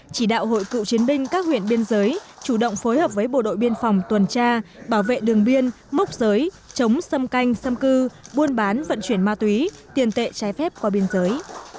chỉ đạo hội cựu chiến binh các huyện biên giới chủ động phối hợp với bộ đội biên phòng tuần tra bảo vệ đường biên mốc giới chống xâm canh xâm cư buôn bán vận chuyển ma túy tiền tệ trái phép qua biên giới